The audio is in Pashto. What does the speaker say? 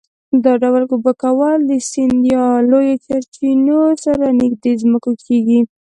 دا ډول اوبه کول د سیند یا لویو سرچینو سره نږدې ځمکو کې کېږي.